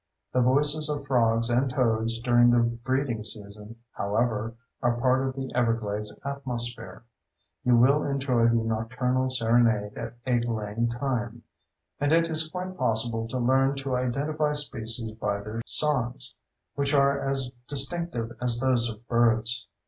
The voices of frogs and toads during the breeding season, however, are part of the Everglades atmosphere. You will enjoy the nocturnal serenade at egg laying time—and it is quite possible to learn to identify species by their songs, which are as distinctive as those of birds.